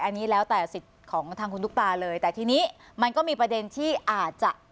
อันนี้แล้วแต่สิทธิ์ของทางคุณตุ๊กตาเลยแต่ทีนี้มันก็มีประเด็นที่อาจจะ